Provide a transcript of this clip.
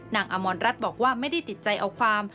อมรรัฐบอกว่าไม่ได้ติดใจเอาความ